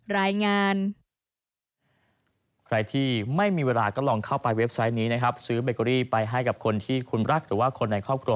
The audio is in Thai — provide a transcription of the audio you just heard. รายงาน